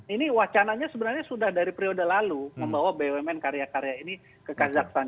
ini wacananya sebenarnya sudah dari periode lalu membawa bumn karya karya ini ke kazakhstan